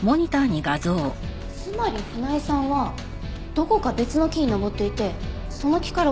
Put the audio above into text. つまり船井さんはどこか別の木に登っていてその木から落ちて死亡した。